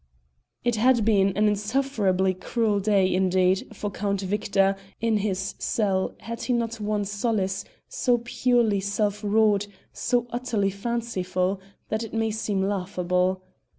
It had been an insufferably cruel day, indeed, for Count Victor in his cell had he not one solace, so purely self wrought, so utterly fanciful, that it may seem laughable.